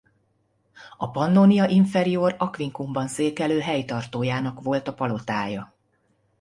A Pannonia Inferior Aquincumban székelő helytartójának volt a palotája.